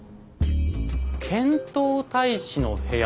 「遣唐大使の部屋」。